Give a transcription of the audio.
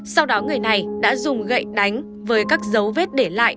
sau đó người này đã dùng gậy đánh với các dấu vết để lại